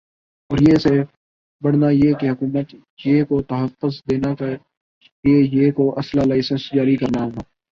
اور یِہ سے بڑھنا یِہ کہ حکومت یِہ کو تحفظ دینا کا لئے یِہ کو اسلحہ لائسنس جاری کرنا ہونا